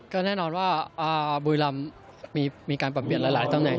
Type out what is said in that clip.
ก็แน่นอนว่าบุรีรำมีการปรับเปลี่ยนหลายตำแหน